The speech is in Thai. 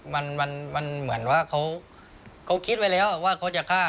มันมันเหมือนว่าเขาคิดไว้แล้วว่าเขาจะฆ่า